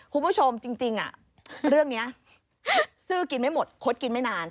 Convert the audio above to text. คุณผู้ชมจริงเรื่องนี้ซื้อกินไม่หมดคดกินไม่นาน